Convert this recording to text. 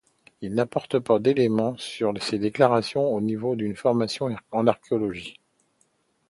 Il n'apporte pas d'éléments sur ses déclarations au niveau d'une formation en archéologie.